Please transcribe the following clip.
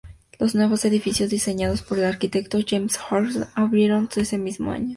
Los nuevos edificios, diseñados por el arquitecto James Fergusson, abrieron ese mismo año.